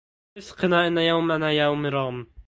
اسقنا إن يومنا يوم رام